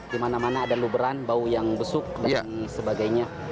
di mana mana ada luberan bau yang besuk dan sebagainya